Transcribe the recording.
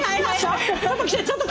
ちょっと！